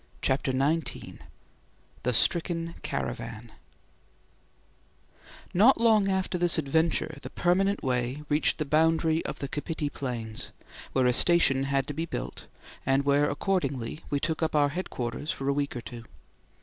CHAPTER XIX THE STRICKEN CARAVAN Not long after this adventure the permanent way reached the boundary of the Kapiti Plains, where a station had to be built and where accordingly we took up our headquarters for a week or two.